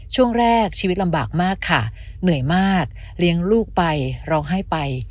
ช่วงแรกชีวิตลำบากมากค่ะเหนื่อยมากเลี้ยงลูกไปร้องไห้ไป